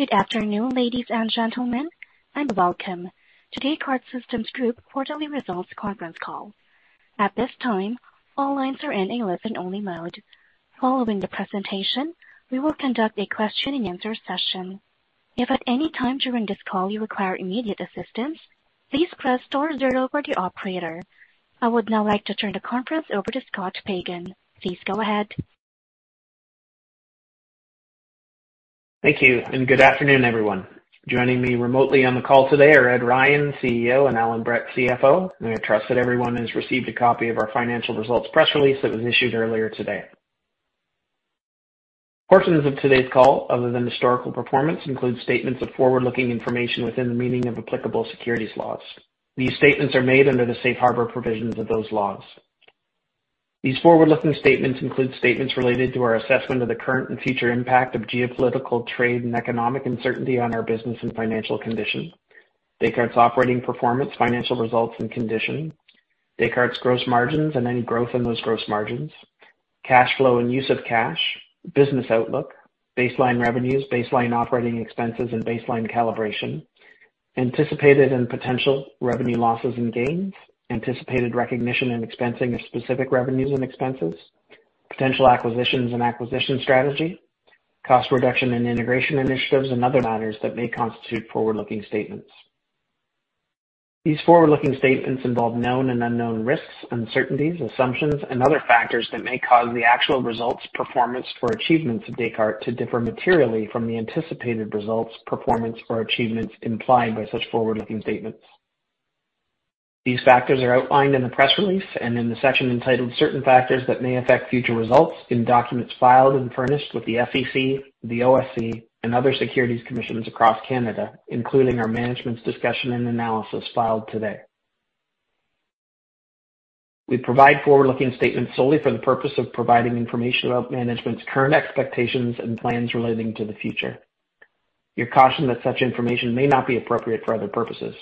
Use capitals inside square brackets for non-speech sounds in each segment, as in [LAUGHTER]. Good afternoon, ladies and gentlemen, and welcome to Descartes Systems Group Quarterly Results Conference call. At this time, all lines are in a listen-only mode. Following the presentation, we will conduct a question-and-answer session. If at any time during this call you require immediate assistance, please press star zero for the operator. I would now like to turn the conference over to Scott Pagan. Please go ahead. Thank you, and good afternoon, everyone. Joining me remotely on the call today are Ed Ryan, CEO, and Allan Brett, CFO. I trust that everyone has received a copy of our financial results press release that was issued earlier today. Portions of today's call, other than historical performance, include statements of forward-looking information within the meaning of applicable securities laws. These statements are made under the safe harbor provisions of those laws. These forward-looking statements include statements related to our assessment of the current and future impact of geopolitical, trade, and economic uncertainty on our business and financial condition, Descartes' operating performance, financial results, and condition, Descartes' gross margins and any growth in those gross margins, cash flow and use of cash, business outlook, baseline revenues, baseline operating expenses, and baseline calibration, anticipated and potential revenue losses and gains, anticipated recognition and expensing of specific revenues and expenses, potential acquisitions and acquisition strategy, cost reduction and integration initiatives, and other matters that may constitute forward-looking statements. These forward-looking statements involve known and unknown risks, uncertainties, assumptions, and other factors that may cause the actual results, performance, or achievements of Descartes to differ materially from the anticipated results, performance, or achievements implied by such forward-looking statements. These factors are outlined in the press release and in the section entitled Certain Factors That May Affect Future Results in documents filed and furnished with the SEC, the OSC, and other securities commissions across Canada, including our management's discussion and analysis filed today. We provide forward-looking statements solely for the purpose of providing information about management's current expectations and plans relating to the future. You're cautioned that such information may not be appropriate for other purposes.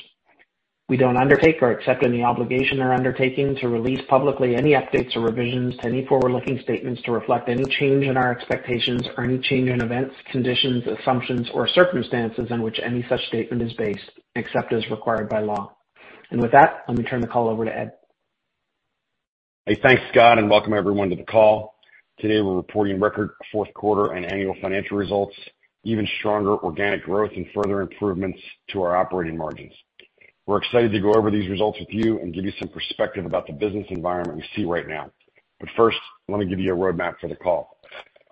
We don't undertake or accept any obligation or undertaking to release publicly any updates or revisions to any forward-looking statements to reflect any change in our expectations or any change in events, conditions, assumptions, or circumstances in which any such statement is based, except as required by law. With that, let me turn the call over to Ed. Hey, thanks, Scott, and welcome everyone to the call. Today, we're reporting record fourth quarter and annual financial results, even stronger organic growth, and further improvements to our operating margins. We're excited to go over these results with you and give you some perspective about the business environment we see right now. But first, let me give you a roadmap for the call.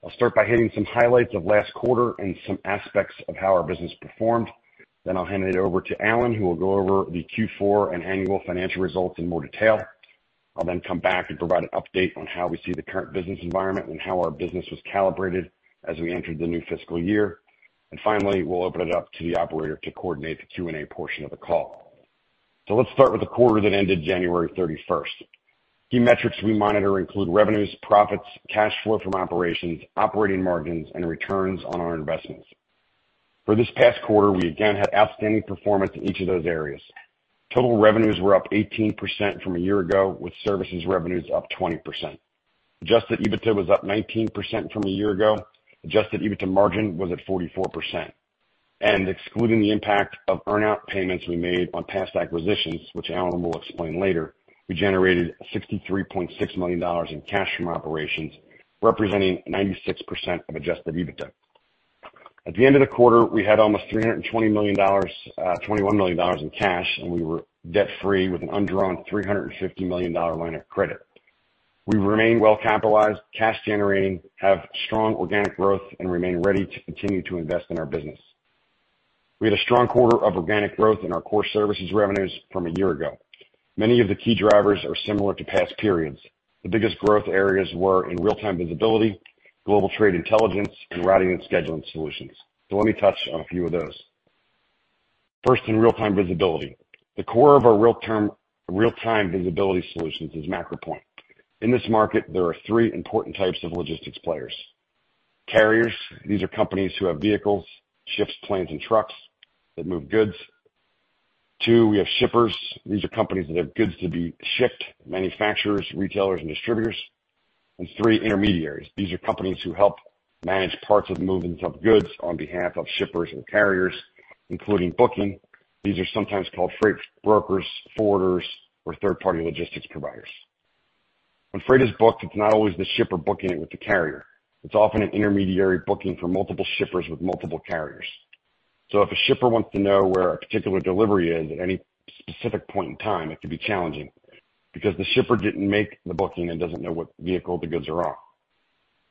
I'll start by hitting some highlights of last quarter and some aspects of how our business performed. Then I'll hand it over to Allan, who will go over the Q4 and annual financial results in more detail. I'll then come back and provide an update on how we see the current business environment and how our business was calibrated as we entered the new fiscal year. And finally, we'll open it up to the operator to coordinate the Q&A portion of the call. So let's start with the quarter that ended January 31st. Key metrics we monitor include revenues, profits, cash flow from operations, operating margins, and returns on our investments. For this past quarter, we again had outstanding performance in each of those areas. Total revenues were up 18% from a year ago, with services revenues up 20%. Adjusted EBITDA was up 19% from a year ago. Adjusted EBITDA margin was at 44%. Excluding the impact of earnout payments we made on past acquisitions, which Allan will explain later, we generated $63.6 million in cash from operations, representing 96% of adjusted EBITDA. At the end of the quarter, we had almost $320 million, $21 million in cash, and we were debt-free with an undrawn $350 million line of credit. We remain well-capitalized, cash-generating, have strong organic growth, and remain ready to continue to invest in our business. We had a strong quarter of organic growth in our core services revenues from a year ago. Many of the key drivers are similar to past periods. The biggest growth areas were in real-time visibility, Global Trade Intelligence, and Routing and Scheduling solutions. So let me touch on a few of those. First, in real-time visibility. The core of our real-time visibility solutions is MacroPoint. In this market, there are three important types of logistics players. Carriers. These are companies who have vehicles, ships, planes, and trucks that move goods. Two, we have shippers. These are companies that have goods to be shipped, manufacturers, retailers, and distributors. And three, intermediaries. These are companies who help manage parts of the movements of goods on behalf of shippers and carriers, including booking. These are sometimes called freight brokers, forwarders, or third-party logistics providers. When freight is booked, it's not always the shipper booking it with the carrier. It's often an intermediary booking for multiple shippers with multiple carriers. So if a shipper wants to know where a particular delivery is at any specific point in time, it can be challenging because the shipper didn't make the booking and doesn't know what vehicle the goods are on.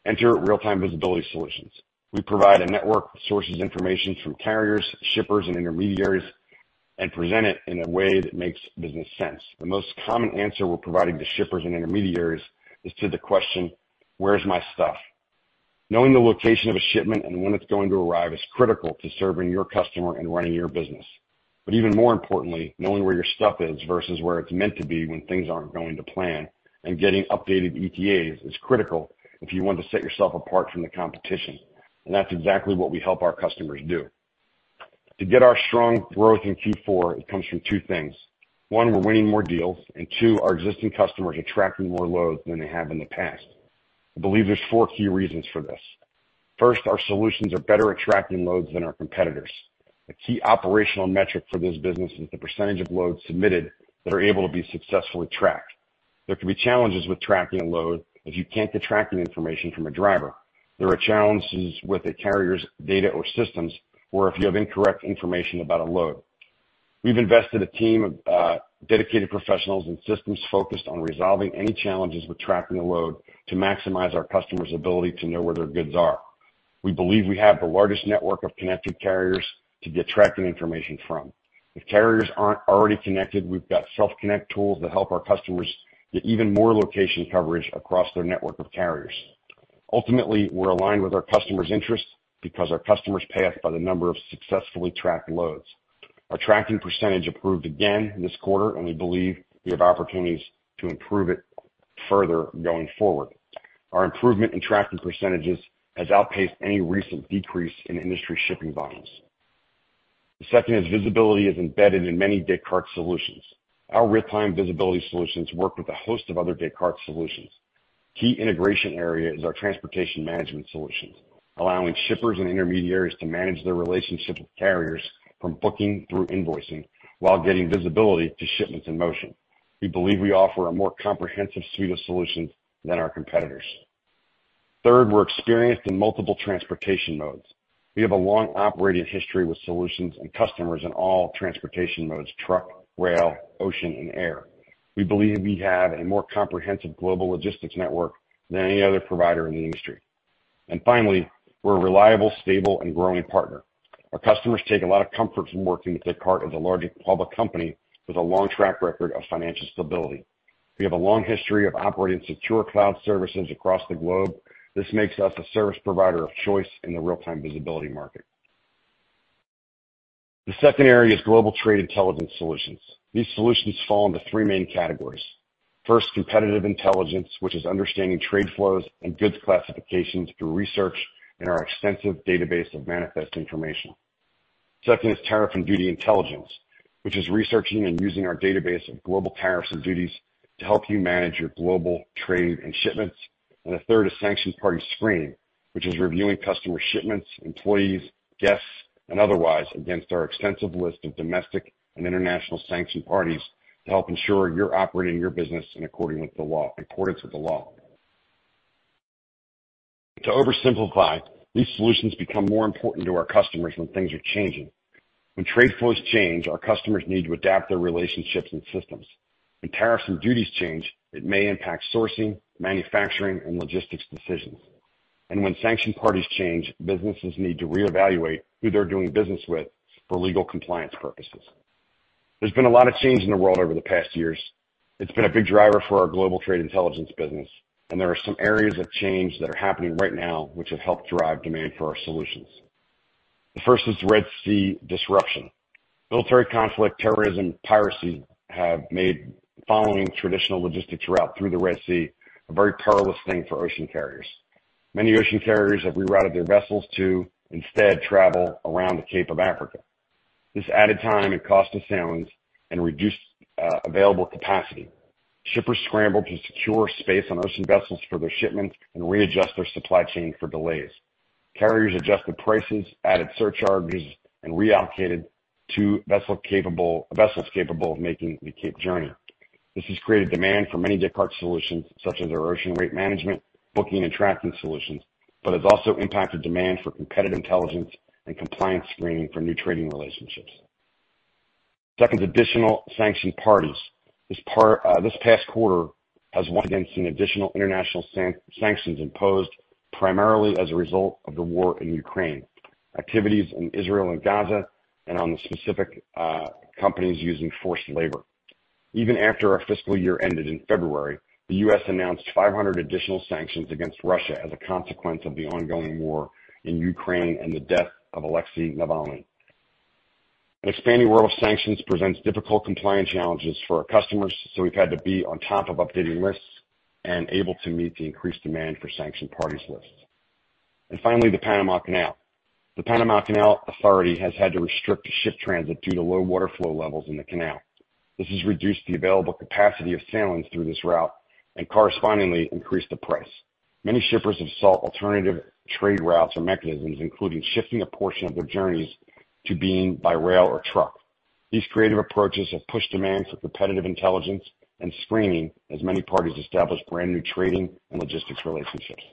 Enter real-time visibility solutions. We provide a network that sources information from carriers, shippers, and intermediaries and present it in a way that makes business sense. The most common answer we're providing to shippers and intermediaries is to the question, "Where's my stuff?" Knowing the location of a shipment and when it's going to arrive is critical to serving your customer and running your business. But even more importantly, knowing where your stuff is versus where it's meant to be when things aren't going to plan and getting updated ETAs is critical if you want to set yourself apart from the competition. And that's exactly what we help our customers do. To get our strong growth in Q4, it comes from two things. One, we're winning more deals. And two, our existing customers are tracking more loads than they have in the past. I believe there's four key reasons for this. First, our solutions are better at tracking loads than our competitors. A key operational metric for this business is the percentage of loads submitted that are able to be successfully tracked. There can be challenges with tracking a load if you can't get tracking information from a driver. There are challenges with a carrier's data or systems or if you have incorrect information about a load. We've invested a team of dedicated professionals and systems focused on resolving any challenges with tracking a load to maximize our customer's ability to know where their goods are. We believe we have the largest network of connected carriers to get tracking information from. If carriers aren't already connected, we've got self-connect tools that help our customers get even more location coverage across their network of carriers. Ultimately, we're aligned with our customer's interests because our customers pay us by the number of successfully tracked loads. Our tracking percentage improved again this quarter, and we believe we have opportunities to improve it further going forward. Our improvement in tracking percentages has outpaced any recent decrease in industry shipping volumes. The second is, visibility is embedded in many Descartes solutions. Our real-time visibility solutions work with a host of other Descartes solutions. Key integration area is our transportation management solutions, allowing shippers and intermediaries to manage their relationship with carriers from booking through invoicing while getting visibility to shipments in motion. We believe we offer a more comprehensive suite of solutions than our competitors. Third, we're experienced in multiple transportation modes. We have a long operating history with solutions and customers in all transportation modes: truck, rail, ocean, and air. We believe we have a more comprehensive global logistics network than any other provider in the industry. Finally, we're a reliable, stable, and growing partner. Our customers take a lot of comfort from working with Descartes as a large public company with a long track record of financial stability. We have a long history of operating secure cloud services across the globe. This makes us a service provider of choice in the real-time visibility market. The second area is global trade intelligence solutions. These solutions fall into three main categories. First, competitive intelligence, which is understanding trade flows and goods classifications through research in our extensive database of manifest information. Second is tariff and duty intelligence, which is researching and using our database of global tariffs and duties to help you manage your global trade and shipments. And the third is sanctioned party screening, which is reviewing customer shipments, employees, guests, and otherwise against our extensive list of domestic and international sanctioned parties to help ensure you're operating your business in accordance with the law. To oversimplify, these solutions become more important to our customers when things are changing. When trade flows change, our customers need to adapt their relationships and systems. When tariffs and duties change, it may impact sourcing, manufacturing, and logistics decisions. When sanctioned parties change, businesses need to reevaluate who they're doing business with for legal compliance purposes. There's been a lot of change in the world over the past years. It's been a big driver for our Global Trade Intelligence business. There are some areas of change that are happening right now which have helped drive demand for our solutions. The first is Red Sea disruption. Military conflict, terrorism, and piracy have made following traditional logistics route through the Red Sea a very perilous thing for ocean carriers. Many ocean carriers have rerouted their vessels to instead travel around the Cape of Africa. This added time and cost to sailings and reduced available capacity. Shippers scramble to secure space on ocean vessels for their shipments and readjust their supply chain for delays. Carriers adjusted prices, added surcharges, and reallocated vessels capable of making the Cape journey. This has created demand for many Descartes solutions such as our ocean rate management, booking, and tracking solutions, but has also impacted demand for competitive intelligence and compliance screening for new trading relationships. Second is additional sanctioned parties. This past quarter has once again seen additional international sanctions imposed primarily as a result of the war in Ukraine, activities in Israel and Gaza, and on the specific companies using forced labor. Even after our fiscal year ended in February, the U.S. announced 500 additional sanctions against Russia as a consequence of the ongoing war in Ukraine and the death of Alexei Navalny. An expanding world of sanctions presents difficult compliance challenges for our customers, so we've had to be on top of updating lists and able to meet the increased demand for sanctioned parties lists. Finally, the Panama Canal. The Panama Canal Authority has had to restrict ship transit due to low water flow levels in the canal. This has reduced the available capacity of sailings through this route and correspondingly increased the price. Many shippers have sought alternative trade routes or mechanisms, including shifting a portion of their journeys to being by rail or truck. These creative approaches have pushed demand for competitive intelligence and screening as many parties establish brand new trading and logistics relationships.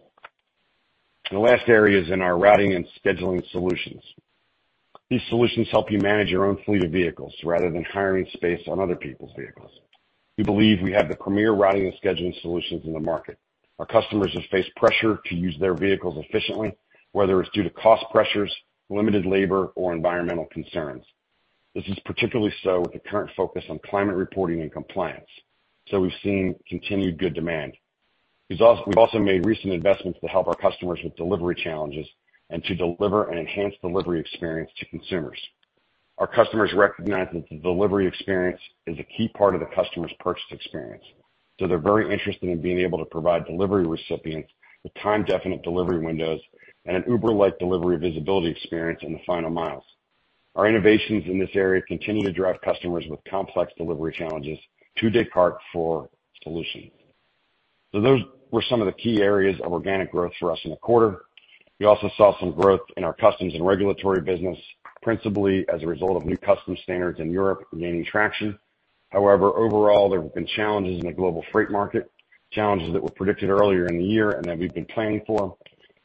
The last area is in our routing and scheduling solutions. These solutions help you manage your own fleet of vehicles rather than hiring space on other people's vehicles. We believe we have the premier routing and scheduling solutions in the market. Our customers have faced pressure to use their vehicles efficiently, whether it's due to cost pressures, limited labor, or environmental concerns. This is particularly so with the current focus on climate reporting and compliance. So we've seen continued good demand. We've also made recent investments to help our customers with delivery challenges and to deliver and enhance delivery experience to consumers. Our customers recognize that the delivery experience is a key part of the customer's purchase experience. So they're very interested in being able to provide delivery recipients with time-definite delivery windows and an Uber-like delivery visibility experience in the final miles. Our innovations in this area continue to drive customers with complex delivery challenges to Descartes for solutions. So those were some of the key areas of organic growth for us in the quarter. We also saw some growth in our customs and regulatory business, principally as a result of new customs standards in Europe gaining traction. However, overall, there have been challenges in the global freight market, challenges that were predicted earlier in the year and that we've been planning for.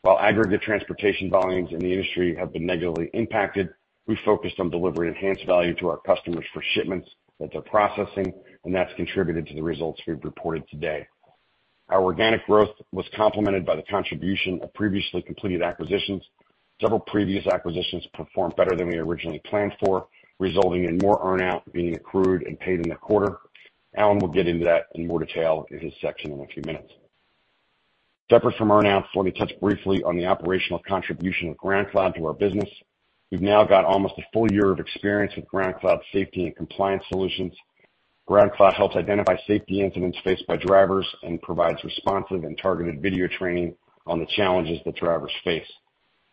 While aggregate transportation volumes in the industry have been negatively impacted, we focused on delivering enhanced value to our customers for shipments that they're processing, and that's contributed to the results we've reported today. Our organic growth was complemented by the contribution of previously completed acquisitions. Several previous acquisitions performed better than we originally planned for, resulting in more Earnout being accrued and paid in the quarter. Allan will get into that in more detail in his section in a few minutes. Separate from Earnout, let me touch briefly on the operational contribution of GroundCloud to our business. We've now got almost a full year of experience with GroundCloud's safety and compliance solutions. GroundCloud helps identify safety incidents faced by drivers and provides responsive and targeted video training on the challenges that drivers face.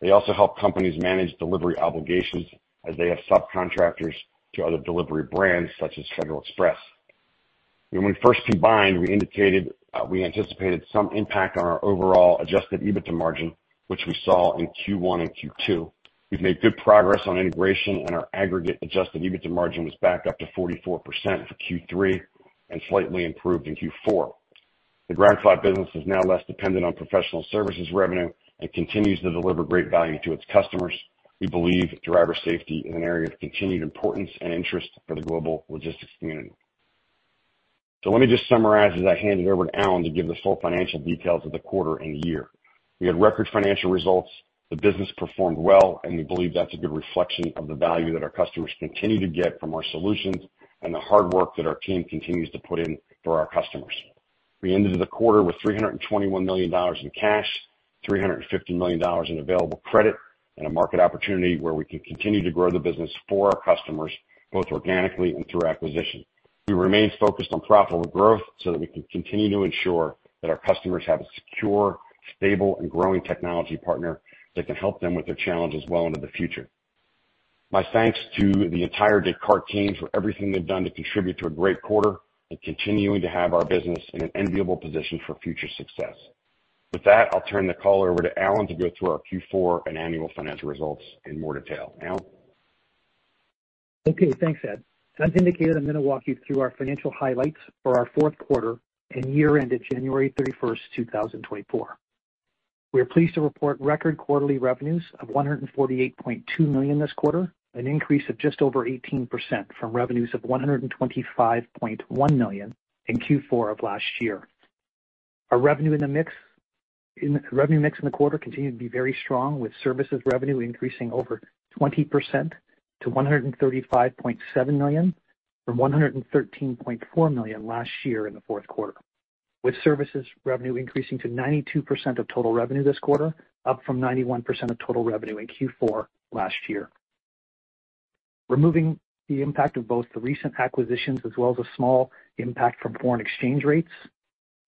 They also help companies manage delivery obligations as they have subcontractors to other delivery brands such as Federal Express. When we first combined, we anticipated some impact on our overall Adjusted EBITDA margin, which we saw in Q1 and Q2. We've made good progress on integration, and our aggregate Adjusted EBITDA margin was back up to 44% for Q3 and slightly improved in Q4. The GroundCloud business is now less dependent on professional services revenue and continues to deliver great value to its customers. We believe driver safety is an area of continued importance and interest for the global logistics community. So let me just summarize as I hand it over to Allan to give the full financial details of the quarter and year. We had record financial results. The business performed well, and we believe that's a good reflection of the value that our customers continue to get from our solutions and the hard work that our team continues to put in for our customers. We ended the quarter with $321 million in cash, $350 million in available credit, and a market opportunity where we can continue to grow the business for our customers, both organically and through acquisition. We remain focused on profitable growth so that we can continue to ensure that our customers have a secure, stable, and growing technology partner that can help them with their challenges well into the future. My thanks to the entire Descartes teams for everything they've done to contribute to a great quarter and continuing to have our business in an enviable position for future success. With that, I'll turn the call over to Allan to go through our Q4 and annual financial results in more detail. Allan? Okay. Thanks, Ed. As indicated, I'm going to walk you through our financial highlights for our fourth quarter and year-end at January 31st, 2024. We are pleased to report record quarterly revenues of $148.2 million this quarter, an increase of just over 18% from revenues of $125.1 million in Q4 of last year. Our revenue mix in the quarter continued to be very strong, with services revenue increasing over 20% to $135.7 million from $113.4 million last year in the fourth quarter, with services revenue increasing to 92% of total revenue this quarter, up from 91% of total revenue in Q4 last year. Removing the impact of both the recent acquisitions as well as a small impact from foreign exchange rates,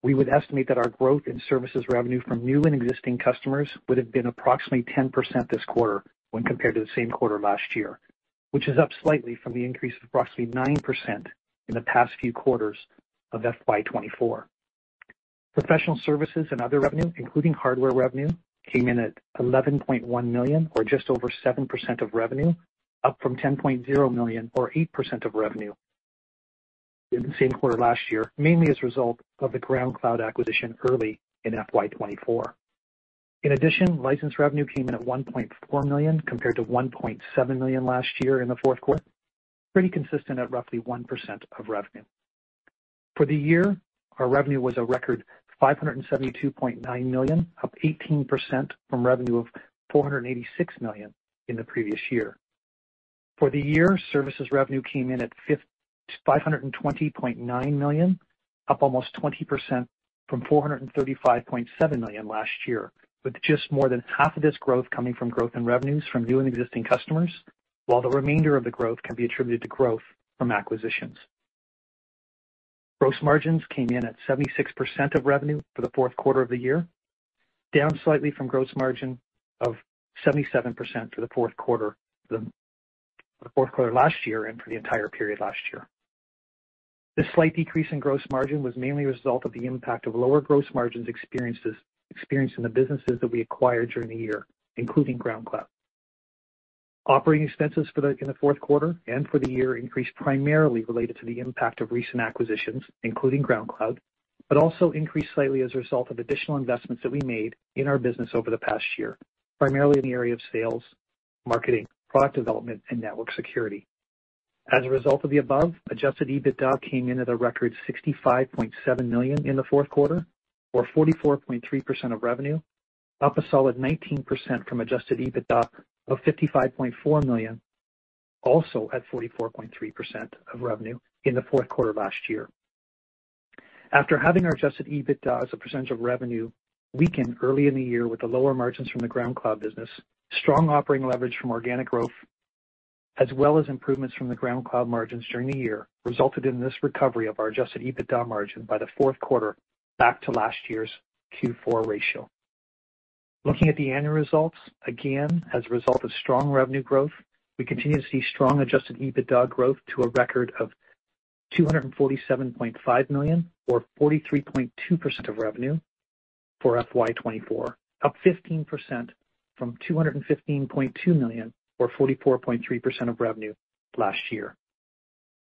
we would estimate that our growth in services revenue from new and existing customers would have been approximately 10% this quarter when compared to the same quarter last year, which is up slightly from the increase of approximately 9% in the past few quarters of FY 2024. Professional services and other revenue, including hardware revenue, came in at $11.1 million or just over 7% of revenue, up from $10.0 million or 8% of revenue in the same quarter last year, mainly as a result of the GroundCloud acquisition early in FY 2024. In addition, license revenue came in at $1.4 million compared to $1.7 million last year in the fourth quarter, pretty consistent at roughly 1% of revenue. For the year, our revenue was a record $572.9 million, up 18% from revenue of $486 million in the previous year. For the year, services revenue came in at $520.9 million, up almost 20% from $435.7 million last year, with just more than half of this growth coming from growth in revenues from new and existing customers, while the remainder of the growth can be attributed to growth from acquisitions. Gross margins came in at 76% of revenue for the fourth quarter of the year, down slightly from gross margin of 77% for the fourth quarter last year and for the entire period last year. This slight decrease in gross margin was mainly a result of the impact of lower gross margins experienced in the businesses that we acquired during the year, including GroundCloud. Operating expenses in the fourth quarter and for the year increased primarily related to the impact of recent acquisitions, including GroundCloud, but also increased slightly as a result of additional investments that we made in our business over the past year, primarily in the area of sales, marketing, product development, and network security. As a result of the above, Adjusted EBITDA came in at a record $65.7 million in the fourth quarter, or 44.3% of revenue, up a solid 19% from Adjusted EBITDA of $55.4 million, also at 44.3% of revenue in the fourth quarter last year. After having our Adjusted EBITDA as a percentage of revenue weaken early in the year with the lower margins from the GroundCloud business, strong operating leverage from organic growth, as well as improvements from the GroundCloud margins during the year, resulted in this recovery of our Adjusted EBITDA margin by the fourth quarter back to last year's Q4 ratio. Looking at the annual results, again, as a result of strong revenue growth, we continue to see strong Adjusted EBITDA growth to a record of $247.5 million, or 43.2% of revenue for FY 2024, up 15% from $215.2 million, or 44.3% of revenue last year.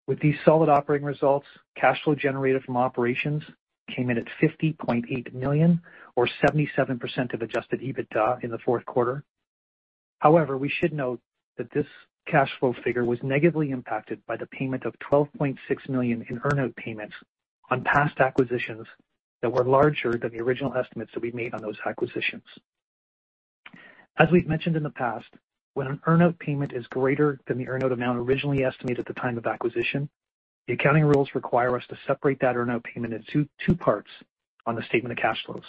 With these solid operating results, cash flow generated from operations came in at $50.8 million, or 77% of Adjusted EBITDA in the fourth quarter. However, we should note that this cash flow figure was negatively impacted by the payment of $12.6 million in earnout payments on past acquisitions that were larger than the original estimates that we made on those acquisitions. As we've mentioned in the past, when an earnout payment is greater than the earnout amount originally estimated at the time of acquisition, the accounting rules require us to separate that earnout payment into two parts on the statement of cash flows.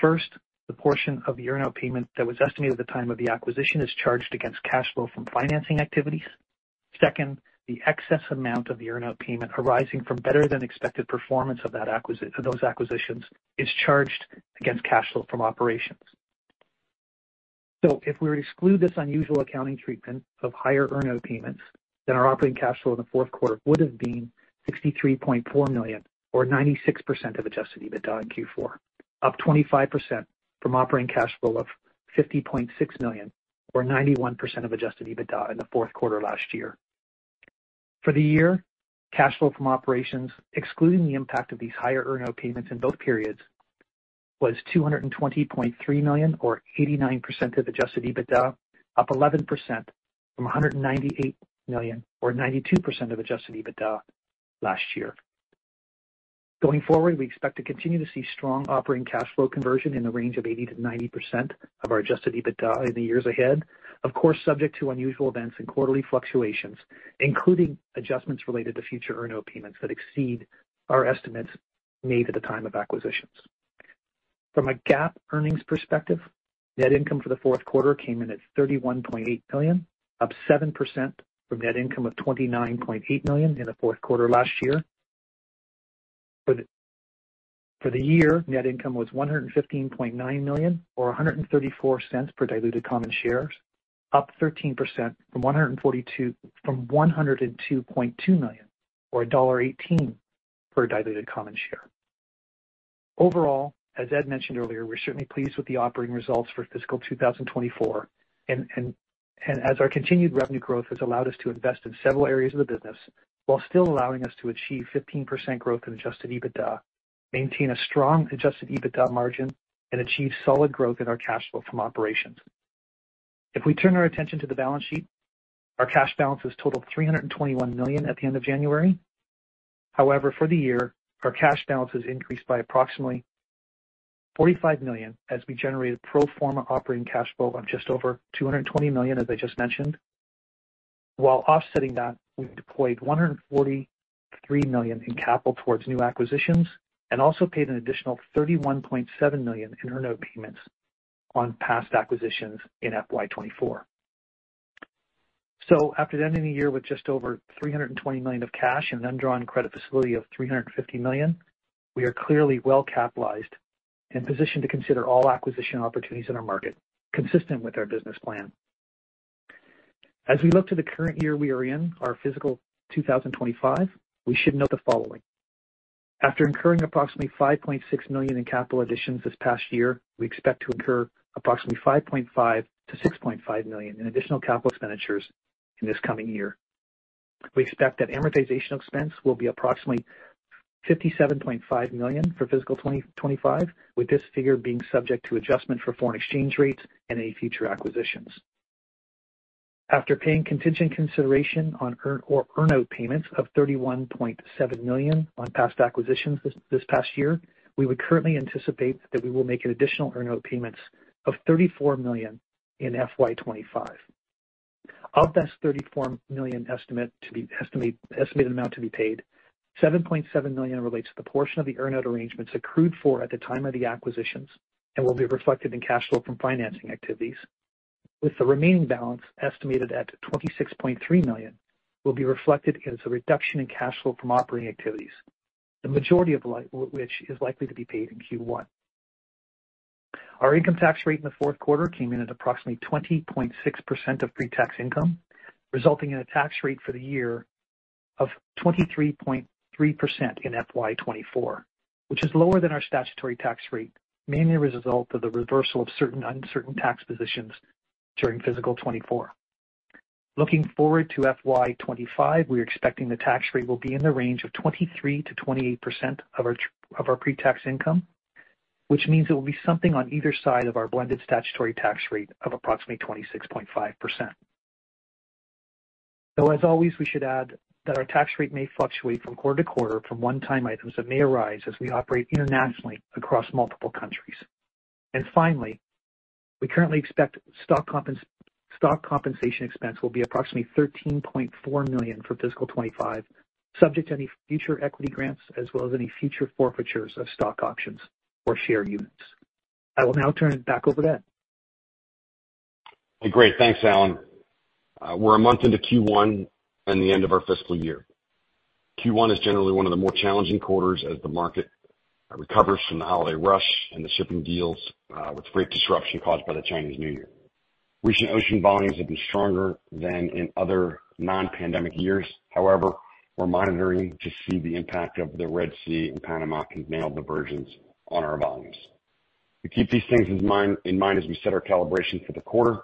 First, the portion of the earnout payment that was estimated at the time of the acquisition is charged against cash flow from financing activities. Second, the excess amount of the earnout payment arising from better-than-expected performance of those acquisitions is charged against cash flow from operations. So if we were to exclude this unusual accounting treatment of higher earnout payments, then our operating cash flow in the fourth quarter would have been $63.4 million, or 96% of adjusted EBITDA in Q4, up 25% from operating cash flow of $50.6 million, or 91% of adjusted EBITDA in the fourth quarter last year. For the year, cash flow from operations, excluding the impact of these higher earnout payments in both periods, was $220.3 million, or 89% of adjusted EBITDA, up 11% from $198 million, or 92% of adjusted EBITDA last year. Going forward, we expect to continue to see strong operating cash flow conversion in the range of 80%-90% of our adjusted EBITDA in the years ahead, of course, subject to unusual events and quarterly fluctuations, including adjustments related to future earnout payments that exceed our estimates made at the time of acquisitions. From a GAAP earnings perspective, net income for the fourth quarter came in at $31.8 million, up 7% from net income of $29.8 million in the fourth quarter last year. For the year, net income was $115.9 million, or $1.34 per diluted common share, up 13% from $102.2 million, or $1.18 per diluted common share. Overall, as Ed mentioned earlier, we're certainly pleased with the operating results for fiscal 2024, and as our continued revenue growth has allowed us to invest in several areas of the business while still allowing us to achieve 15% growth in Adjusted EBITDA, maintain a strong Adjusted EBITDA margin, and achieve solid growth in our cash flow from operations. If we turn our attention to the balance sheet, our cash balance has totaled $321 million at the end of January. However, for the year, our cash balance has increased by approximately $45 million as we generated pro forma operating cash flow of just over $220 million, as I just mentioned. While offsetting that, we've deployed $143 million in capital towards new acquisitions and also paid an additional $31.7 million in earnout payments on past acquisitions in FY 2024. So after ending the year with just over $320 million of cash and an undrawn credit facility of $350 million, we are clearly well-capitalized and positioned to consider all acquisition opportunities in our market, consistent with our business plan. As we look to the current year we are in, our fiscal 2025, we should note the following. After incurring approximately $5.6 million in capital additions this past year, we expect to incur approximately $5.5 million-$6.5 million in additional capital expenditures in this coming year. We expect that amortization expense will be approximately $57.5 million for fiscal 2025, with this figure being subject to adjustment for foreign exchange rates and any future acquisitions. After paying contingent consideration on earnout payments of $31.7 million on past acquisitions this past year, we would currently anticipate that we will make an additional earnout payments of $34 million in FY 2025. Of this $34 million estimated amount to be paid, $7.7 million relates to the portion of the earnout arrangements accrued for at the time of the acquisitions and will be reflected in cash flow from financing activities. With the remaining balance estimated at $26.3 million, it will be reflected as a reduction in cash flow from operating activities, the majority of which is likely to be paid in Q1. Our income tax rate in the fourth quarter came in at approximately 20.6% of pre-tax income, resulting in a tax rate for the year of 23.3% in FY 2024, which is lower than our statutory tax rate, mainly a result of the reversal of certain uncertain tax positions during fiscal 2024. Looking forward to FY 2025, we are expecting the tax rate will be in the range of 23%-28% of our pre-tax income, which means it will be something on either side of our blended statutory tax rate of approximately 26.5%. Though, as always, we should add that our tax rate may fluctuate from quarter to quarter from one-time items that may arise as we operate internationally across multiple countries. Finally, we currently expect stock compensation expense will be approximately $13.4 million for fiscal 2025, subject to any future equity grants as well as any future forfeitures of stock options or share units. I will now turn it back over to Ed. Great. Thanks, Allan. We're a month into Q1 and the end of our fiscal year. Q1 is generally one of the more challenging quarters as the market recovers from the holiday rush and the shipping deals with great disruption caused by the Chinese New Year. Recent ocean volumes have been stronger than in other non-pandemic years. However, we're monitoring to see the impact of the Red Sea and Panama Canal diversions on our volumes. We keep these things in mind as we set our calibration for the quarter.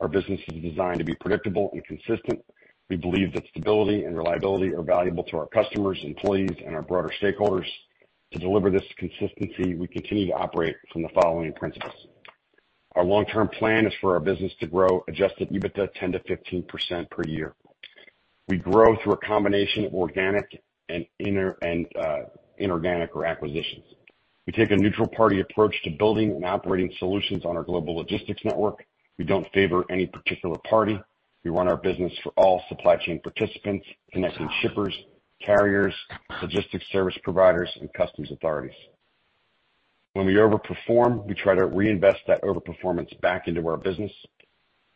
Our business is designed to be predictable and consistent. We believe that stability and reliability are valuable to our customers, employees, and our broader stakeholders. To deliver this consistency, we continue to operate from the following principles. Our long-term plan is for our business to grow Adjusted EBITDA 10%-15% per year. We grow through a combination of organic and inorganic acquisitions. We take a neutral-party approach to building and operating solutions on our global logistics network. We don't favor any particular party. We run our business for all supply chain participants, connecting shippers, carriers, logistics service providers, and customs authorities. When we overperform, we try to reinvest that overperformance back into our business.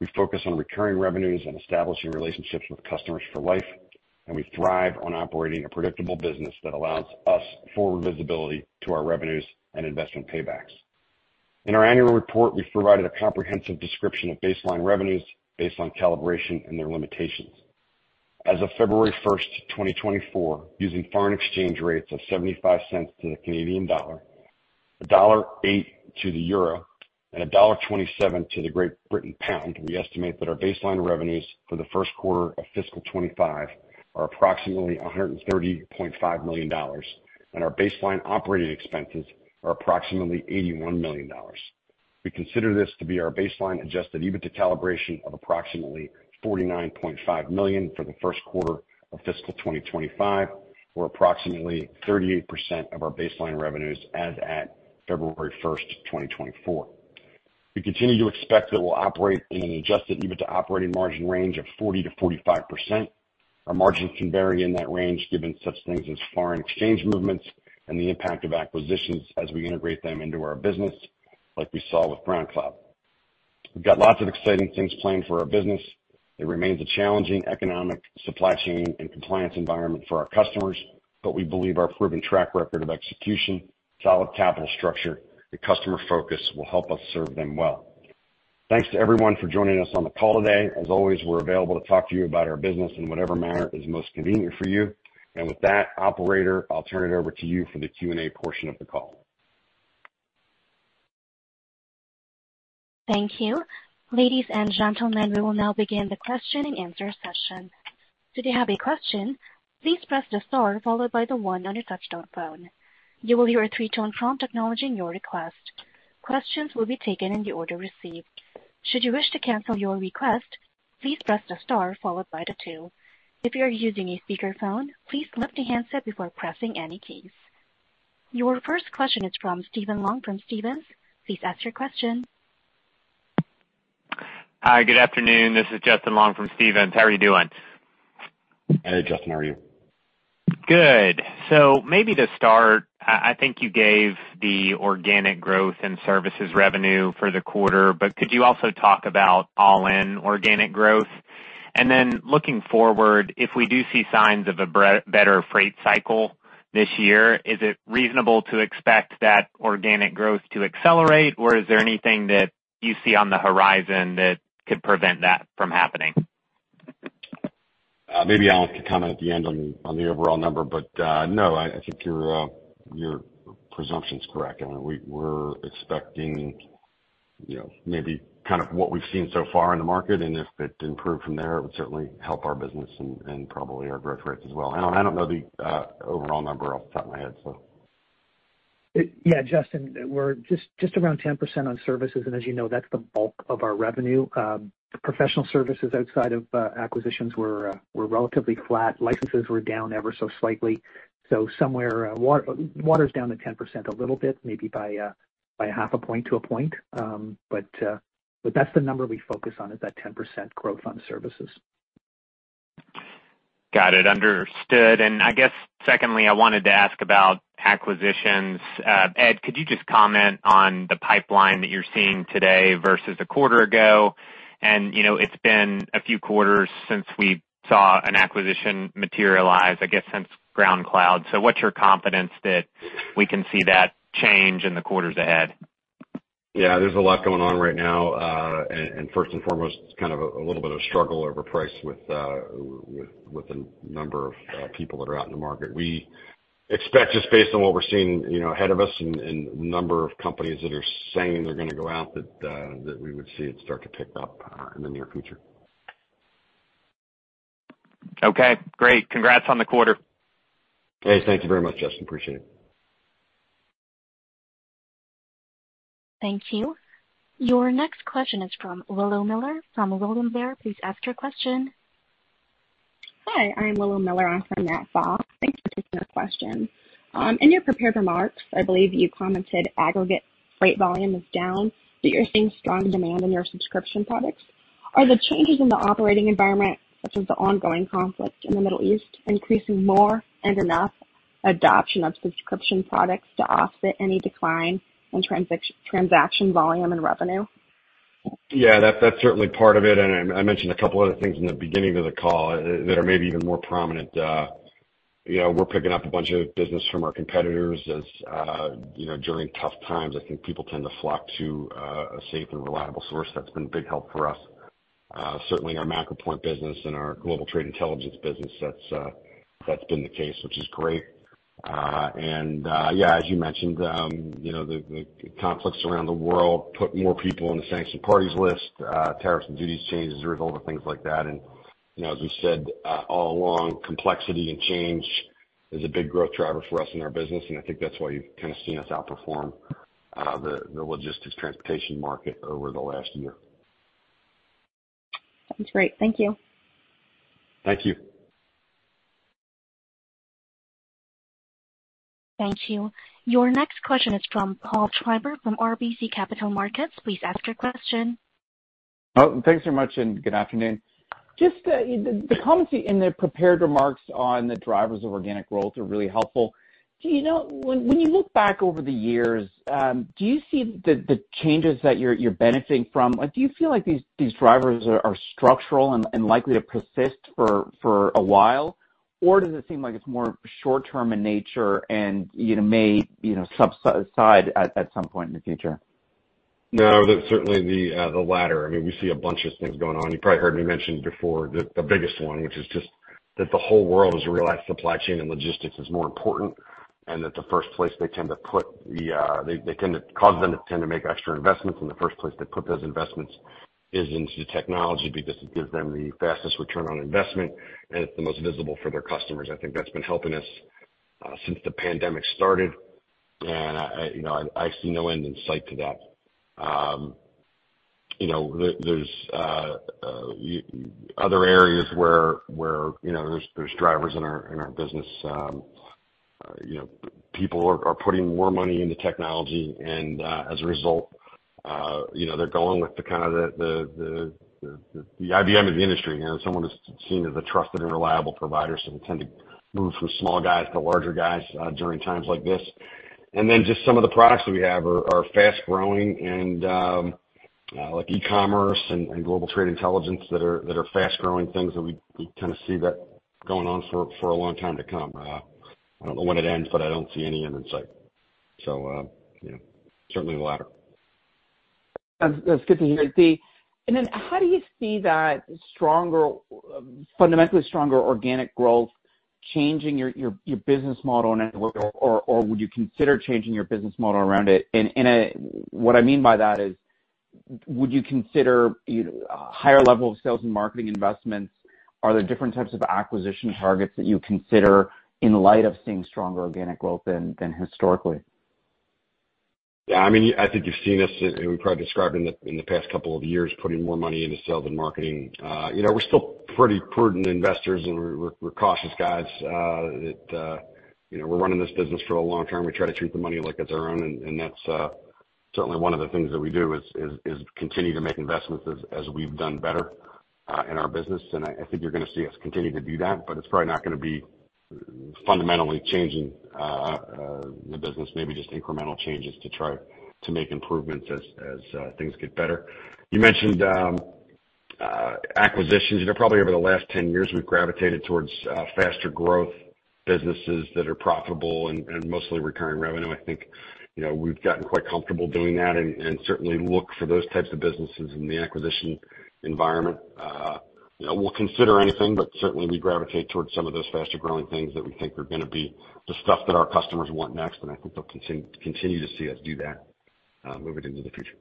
We focus on recurring revenues and establishing relationships with customers for life, and we thrive on operating a predictable business that allows us forward visibility to our revenues and investment paybacks. In our annual report, we've provided a comprehensive description of baseline revenues based on calibration and their limitations. As of February 1st, 2024, using foreign exchange rates of $0.75 to the Canadian dollar, $1.08 to the euro, and $1.27 to the Great Britain pound, we estimate that our baseline revenues for the first quarter of fiscal 2025 are approximately $130.5 million, and our baseline operating expenses are approximately $81 million. We consider this to be our baseline Adjusted EBITDA calibration of approximately $49.5 million for the first quarter of fiscal 2025, or approximately 38% of our baseline revenues as at February 1st, 2024. We continue to expect that we'll operate in an Adjusted EBITDA operating margin range of 40%-45%. Our margins can vary in that range given such things as foreign exchange movements and the impact of acquisitions as we integrate them into our business, like we saw with GroundCloud. We've got lots of exciting things planned for our business. It remains a challenging economic supply chain and compliance environment for our customers, but we believe our proven track record of execution, solid capital structure, and customer focus will help us serve them well. Thanks to everyone for joining us on the call today. As always, we're available to talk to you about our business in whatever manner is most convenient for you. And with that, operator, I'll turn it over to you for the Q&A portion of the call. Thank you. Ladies and gentlemen, we will now begin the question and answer session. Should you have a question, please press the star followed by the one on your touch-tone phone. You will hear a three-tone prompt acknowledging your request. Questions will be taken in the order received. Should you wish to cancel your request, please press the star followed by the two. If you are using a speakerphone, please lift the handset before pressing any keys. Your first question is from Justin Long from Stephens. Please ask your question. Hi. Good afternoon. This is Justin Long from Stephens. How are you doing? Hey, Justin. How are you? Good. So maybe to start, I think you gave the organic growth and services revenue for the quarter, but could you also talk about all-in organic growth? And then looking forward, if we do see signs of a better freight cycle this year, is it reasonable to expect that organic growth to accelerate, or is there anything that you see on the horizon that could prevent that from happening? Maybe Alan can comment at the end on the overall number, but no, I think your presumption is correct. We're expecting maybe kind of what we've seen so far in the market, and if it improved from there, it would certainly help our business and probably our growth rates as well. Alan, I don't know the overall number off the top of my head, so. Yeah, Justin, we're just around 10% on services, and as you know, that's the bulk of our revenue. Professional services outside of acquisitions were relatively flat. Licenses were down ever so slightly. So overall's down to 10% a little bit, maybe by 0.5-1 point. But that's the number we focus on, is that 10% growth on services. Got it. Understood. And I guess, secondly, I wanted to ask about acquisitions. Ed, could you just comment on the pipeline that you're seeing today versus a quarter ago? And it's been a few quarters since we saw an acquisition materialize, I guess, since GroundCloud. So what's your confidence that we can see that change in the quarters ahead? Yeah, there's a lot going on right now, and first and foremost, kind of a little bit of struggle over price with a number of people that are out in the market. We expect, just based on what we're seeing ahead of us and the number of companies that are saying they're going to go out, that we would see it start to pick up in the near future. Okay. Great. Congrats on the quarter. Hey, thank you very much, Justin. Appreciate it. Thank you. Your next question is from Willow Miller from William Blair. Please ask your question. Hi. I'm Willow Miller on for Matt Pfau. Thanks for taking our question. In your prepared remarks, I believe you commented aggregate freight volume is down, but you're seeing strong demand in your subscription products. Are the changes in the operating environment, such as the ongoing conflict in the Middle East, increasing more and enough adoption of subscription products to offset any decline in transaction volume and revenue? Yeah, that's certainly part of it. And I mentioned a couple of other things in the beginning of the call that are maybe even more prominent. We're picking up a bunch of business from our competitors during tough times. I think people tend to flock to a safe and reliable source. That's been a big help for us. Certainly, our MacroPoint business and our Global Trade Intelligence business, that's been the case, which is great. And yeah, as you mentioned, the conflicts around the world put more people on the sanctioned parties list. Tariffs and duties changed as a result of things like that. And as we've said all along, complexity and change is a big growth driver for us in our business, and I think that's why you've kind of seen us outperform the logistics transportation market over the last year. Sounds great. Thank you. Thank you. Thank you. Your next question is from Paul Treiber from RBC Capital Markets. Please ask your question. Thanks very much and good afternoon. Just the comments in the prepared remarks on the drivers of organic growth are really helpful. When you look back over the years, do you see the changes that you're benefiting from? Do you feel like these drivers are structural and likely to persist for a while, or does it seem like it's more short-term in nature and may subside at some point in the future? No, that's certainly the latter. I mean, we see a bunch of things going on. You probably heard me mention before the biggest one, which is just that the whole world has realized supply chain and logistics is more important and that the first place they tend to make extra investments, and the first place they put those investments is into the technology because it gives them the fastest return on investment and it's the most visible for their customers. I think that's been helping us since the pandemic started, and I see no end in sight to that. There's other areas where there's drivers in our business. People are putting more money into technology, and as a result, they're going with the kind of the IBM of the industry. Someone is seen as a trusted and reliable provider, so they tend to move from small guys to larger guys during times like this. And then just some of the products that we have are fast-growing, like e-commerce and global trade intelligence that are fast-growing things that we kind of see that going on for a long time to come. I don't know when it ends, but I don't see any end in sight. So certainly the latter. That's good to hear. Then how do you see that fundamentally stronger organic growth changing your business model in any way, or would you consider changing your business model around it? What I mean by that is, would you consider higher level of sales and marketing investments? Are there different types of acquisition targets that you consider in light of seeing stronger organic growth than historically? Yeah. I mean, I think you've seen us, and we probably described in the past couple of years, putting more money into sales and marketing. We're still pretty prudent investors, and we're cautious guys. We're running this business for a long term. We try to treat the money like it's our own, and that's certainly one of the things that we do, is continue to make investments as we've done better in our business. And I think you're going to see us continue to do that, but it's probably not going to be fundamentally changing the business, maybe just incremental changes to try to make improvements as things get better. You mentioned acquisitions. Probably over the last 10 years, we've gravitated towards faster growth businesses that are profitable and mostly recurring revenue. I think we've gotten quite comfortable doing that and certainly look for those types of businesses in the acquisition environment. We'll consider anything, but certainly, we gravitate towards some of those faster-growing things that we think are going to be the stuff that our customers want next, and I think they'll continue to see us do that moving into the future.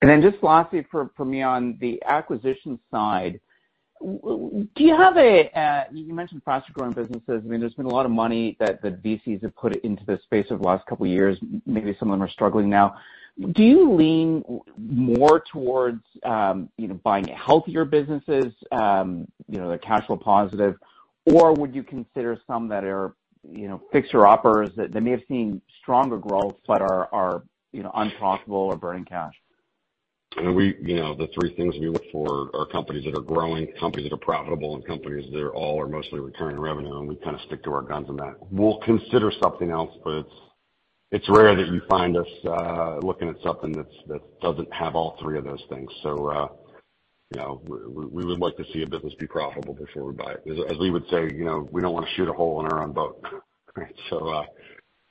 Then just lastly for me on the acquisition side, do you, you mentioned faster-growing businesses. I mean, there's been a lot of money that VCs have put into the space over the last couple of years. Maybe some of them are struggling now. Do you lean more towards buying healthier businesses, the cash flow positive, or would you consider some that are fixer-uppers, that may have seen stronger growth but are unprofitable or burning cash? The three things we look for are companies that are growing, companies that are profitable, and companies that all are mostly recurring revenue, and we kind of stick to our guns on that. We'll consider something else, but it's rare that you find us looking at something that doesn't have all three of those things. So we would like to see a business be profitable before we buy it. As we would say, we don't want to shoot a hole in our own boat, right? So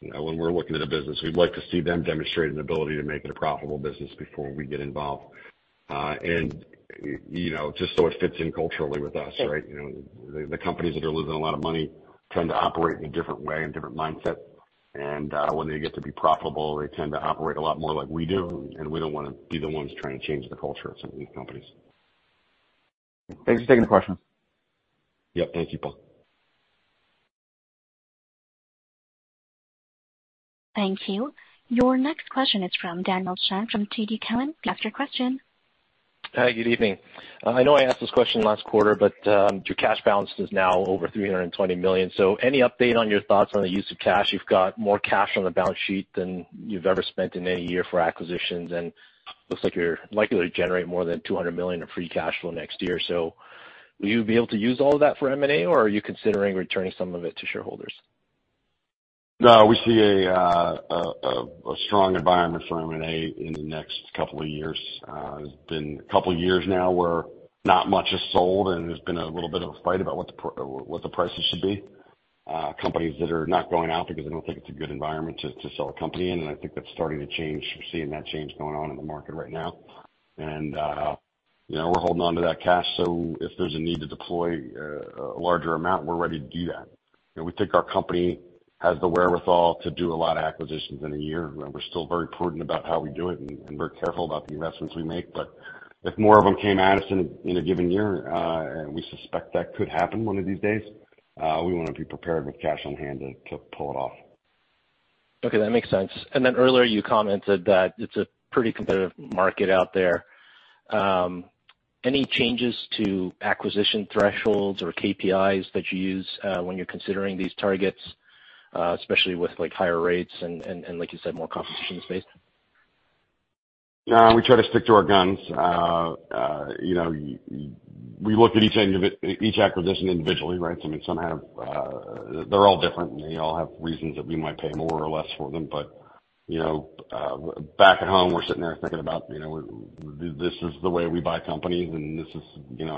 when we're looking at a business, we'd like to see them demonstrate an ability to make it a profitable business before we get involved. And just so it fits in culturally with us, right? The companies that are losing a lot of money tend to operate in a different way and different mindset. When they get to be profitable, they tend to operate a lot more like we do, and we don't want to be the ones trying to change the culture of some of these companies. Thanks for taking the question. Yep. Thank you, Paul. Thank you. Your next question is from Daniel Chan from TD Cowen. Please ask your question. Hi. Good evening. I know I asked this question last quarter, but your cash balance is now over $320 million. So any update on your thoughts on the use of cash? You've got more cash on the balance sheet than you've ever spent in any year for acquisitions, and it looks like you're likely to generate more than $200 million in free cash flow next year. So will you be able to use all of that for M&A, or are you considering returning some of it to shareholders? No, we see a strong environment for M&A in the next couple of years. It's been a couple of years now where not much is sold, and there's been a little bit of a fight about what the prices should be. Companies that are not going out because they don't think it's a good environment to sell a company in, and I think that's starting to change. We're seeing that change going on in the market right now. And we're holding onto that cash, so if there's a need to deploy a larger amount, we're ready to do that. We think our company has the wherewithal to do a lot of acquisitions in a year, and we're still very prudent about how we do it and very careful about the investments we make. But if more of them came at us in a given year, and we suspect that could happen one of these days, we want to be prepared with cash on hand to pull it off. Okay. That makes sense. And then earlier, you commented that it's a pretty competitive market out there. Any changes to acquisition thresholds or KPIs that you use when you're considering these targets, especially with higher rates and, like you said, more competition space? No, we try to stick to our guns. We look at each acquisition individually, right? I mean, some have, they're all different, and they all have reasons that we might pay more or less for them. But back at home, we're sitting there thinking about, "This is the way we buy companies, and this is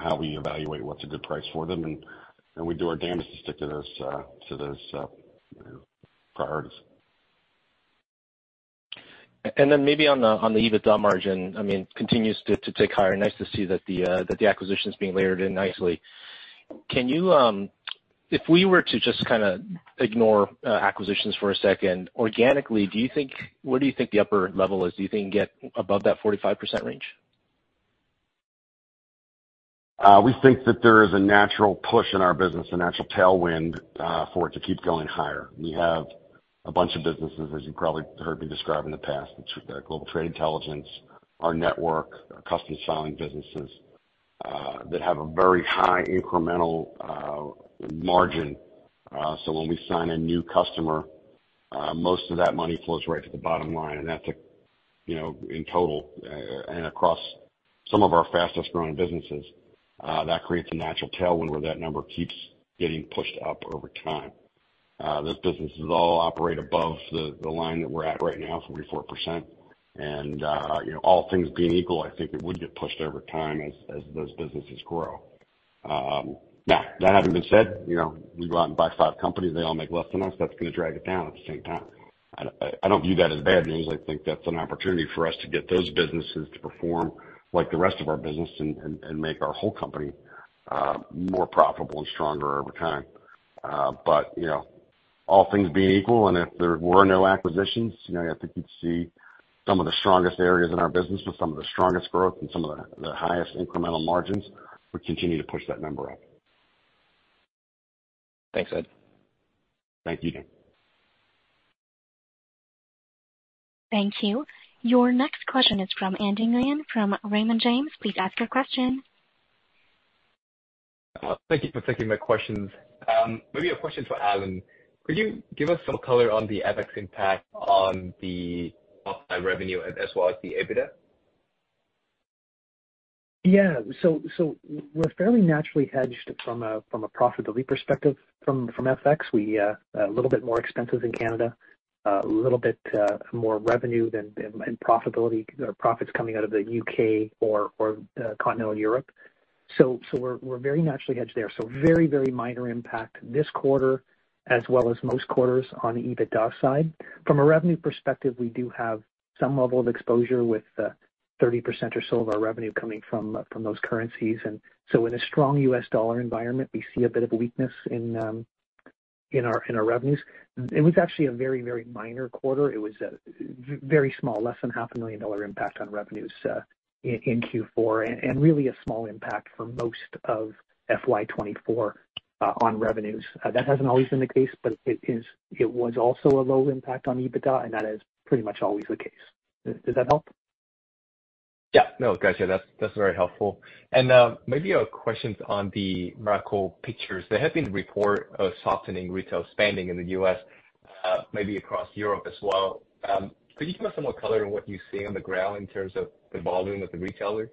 how we evaluate what's a good price for them." And we do our damnedest to stick to those priorities. And then maybe on the EBITDA margin, I mean, continues to tick higher. Nice to see that the acquisition is being layered in nicely. If we were to just kind of ignore acquisitions for a second, organically, what do you think the upper level is? Do you think you can get above that 45% range? We think that there is a natural push in our business, a natural tailwind for it to keep going higher. We have a bunch of businesses, as you've probably heard me describe in the past, Global Trade Intelligence, our network, our customs filing businesses that have a very high incremental margin. So when we sign a new customer, most of that money flows right to the bottom line, and that's in total. And across some of our fastest-growing businesses, that creates a natural tailwind where that number keeps getting pushed up over time. Those businesses all operate above the line that we're at right now, 44%. And all things being equal, I think it would get pushed over time as those businesses grow. Now, that having been said, we go out and buy five companies. They all make less than us. That's going to drag it down at the same time. I don't view that as bad news. I think that's an opportunity for us to get those businesses to perform like the rest of our business and make our whole company more profitable and stronger over time. But all things being equal, and if there were no acquisitions, I think you'd see some of the strongest areas in our business with some of the strongest growth and some of the highest incremental margins. We continue to push that number up. Thanks, Ed. Thank you, Dan. Thank you. Your next question is from Andy Nguyen from Raymond James. Please ask your question. Thank you for taking my questions. Maybe a question for Allan. Could you give us some color on the FX impact on the outside revenue as well as the EBITDA? Yeah. So we're fairly naturally hedged from a profitability perspective from FX. We're a little bit more expensive in Canada, a little bit more revenue and profits coming out of the U.K. or continental Europe. So we're very naturally hedged there. So very, very minor impact this quarter, as well as most quarters on the EBITDA side. From a revenue perspective, we do have some level of exposure with 30% or so of our revenue coming from those currencies. And so in a strong U.S. dollar environment, we see a bit of weakness in our revenues. It was actually a very, very minor quarter. It was very small, less than $500,000 impact on revenues in Q4 and really a small impact for most of FY 2024 on revenues. That hasn't always been the case, but it was also a low impact on EBITDA, and that is pretty much always the case. Does that help? Yeah. No, guys, yeah, that's very helpful. And maybe a question on the MacroPoint. There had been a report of softening retail spending in the U.S., maybe across Europe as well. Could you give us some more color on what you see on the ground in terms of the volume of the retailers?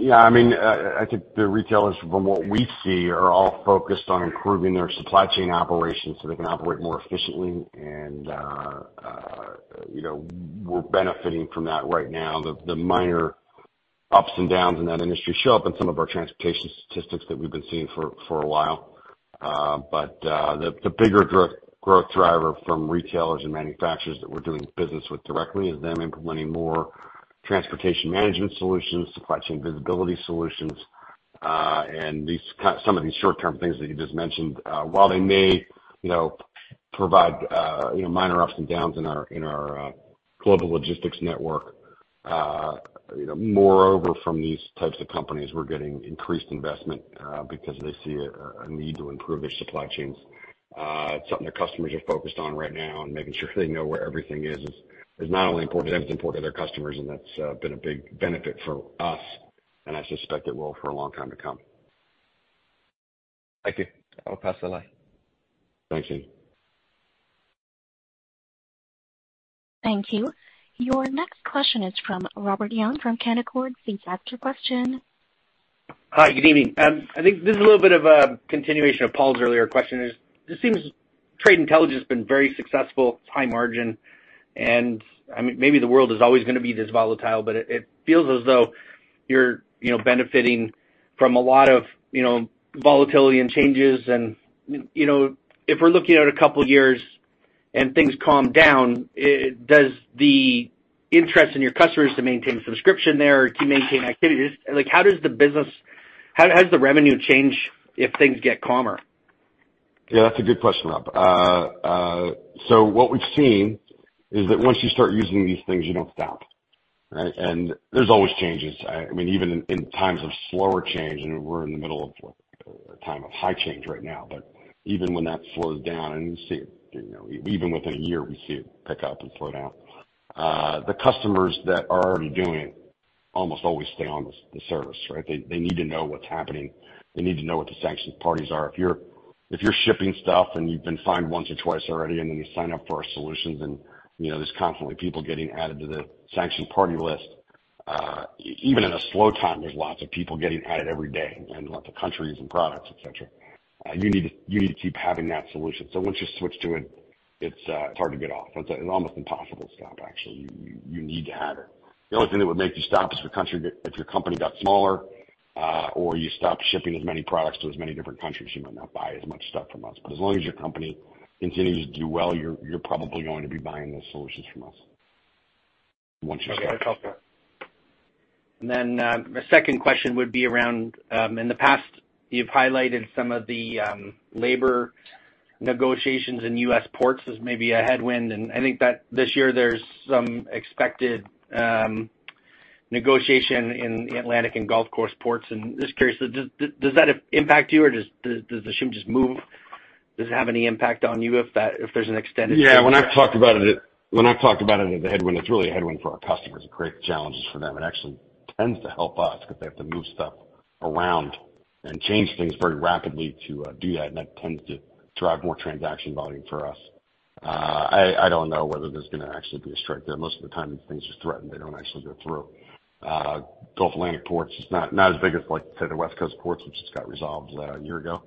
Yeah. I mean, I think the retailers, from what we see, are all focused on improving their supply chain operations so they can operate more efficiently. And we're benefiting from that right now. The minor ups and downs in that industry show up in some of our transportation statistics that we've been seeing for a while. But the bigger growth driver from retailers and manufacturers that we're doing business with directly is them implementing more transportation management solutions, supply chain visibility solutions, and some of these short-term things that you just mentioned. While they may provide minor ups and downs in our global logistics network, moreover, from these types of companies, we're getting increased investment because they see a need to improve their supply chains. It's something their customers are focused on right now, and making sure they know where everything is is not only important. It's important to their customers, and that's been a big benefit for us, and I suspect it will for a long time to come. Thank you. I'll pass the line. Thanks, Dan. Thank you. Your next question is from Robert Young from Canaccord. Please ask your question. Hi. Good evening. I think this is a little bit of a continuation of Paul's earlier question. It seems trade intelligence has been very successful, high margin. And I mean, maybe the world is always going to be this volatile, but it feels as though you're benefiting from a lot of volatility and changes. And if we're looking at a couple of years and things calm down, does the interest in your customers to maintain subscription there or to maintain activities? How does the business, how does the revenue change if things get calmer? Yeah, that's a good question, Rob. So what we've seen is that once you start using these things, you don't stop, right? And there's always changes. I mean, even in times of slower change and we're in the middle of a time of high change right now. But even when that slows down, and you see it, even within a year, we see it pick up and slow down. The customers that are already doing it almost always stay on the service, right? They need to know what's happening. They need to know what the sanctioned parties are. If you're shipping stuff and you've been fined once or twice already, and then you sign up for our solutions, and there's constantly people getting added to the sanctioned party list, even in a slow time, there's lots of people getting added every day and lots of countries and products, etc. You need to keep having that solution. So once you switch to it, it's hard to get off. It's almost impossible to stop, actually. You need to have it. The only thing that would make you stop is if your company got smaller or you stopped shipping as many products to as many different countries, you might not buy as much stuff from us. But as long as your company continues to do well, you're probably going to be buying those solutions from us once you stop. Okay. That's helpful. And then my second question would be around in the past, you've highlighted some of the labor negotiations in U.S. ports as maybe a headwind. And I think that this year, there's some expected negotiation in the Atlantic and Gulf Coast ports. And just curious, does that impact you, or does the shipment just move? Does it have any impact on you if there's an extended shipment? Yeah. When I've talked about it as a headwind, it's really a headwind for our customers. It creates challenges for them. It actually tends to help us because they have to move stuff around and change things very rapidly to do that, and that tends to drive more transaction volume for us. I don't know whether there's going to actually be a strike there. Most of the time, things are threatened. They don't actually go through. Gulf Atlantic ports is not as big as, say, the West Coast ports, which just got resolved a year ago.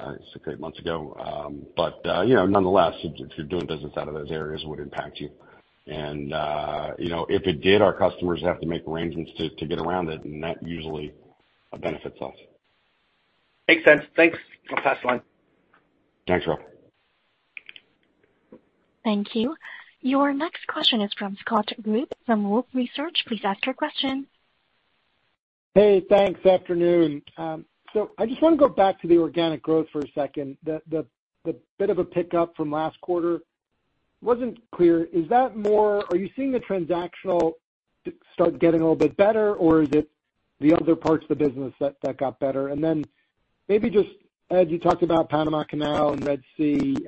It's six or eight months ago. But nonetheless, if you're doing business out of those areas, it would impact you. And if it did, our customers have to make arrangements to get around it, and that usually benefits us. Makes sense. Thanks. I'll pass the line. Thanks, Rob. Thank you. Your next question is from Scott Group from Wolfe Research. Please ask your question. Hey. Thanks. Afternoon. So I just want to go back to the organic growth for a second. The bit of a pickup from last quarter wasn't clear. Is that more are you seeing the transactional start getting a little bit better, or is it the other parts of the business that got better? And then maybe just, Ed, you talked about Panama Canal and Red Sea.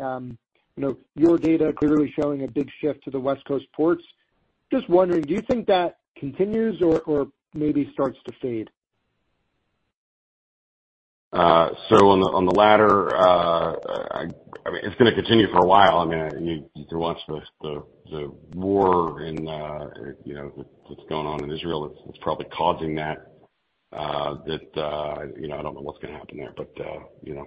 Your data clearly showing a big shift to the West Coast ports. Just wondering, do you think that continues or maybe starts to fade? So on the latter, I mean, it's going to continue for a while. I mean, you can watch the war that's going on in Israel. It's probably causing that. I don't know what's going to happen there, but